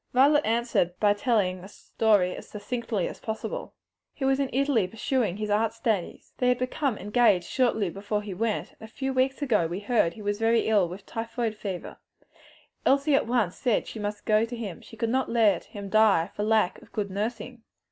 Violet answered by telling the story as succinctly as possible. "He was in Italy pursuing his art studies," she said. "They had become engaged shortly before he went, and a few weeks ago we heard he was very ill with typhoid fever. Elsie at once said she must go to him, she could not let him die for lack of good nursing.